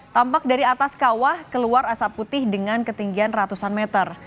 tampak dari atas kawah keluar asap putih dengan ketinggian ratusan meter